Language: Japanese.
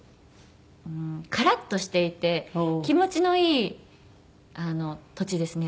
カラッとしていて気持ちのいい土地ですね。